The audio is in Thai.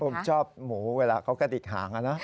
ผมชอบหมูเวลาเขากระดิกหางนะ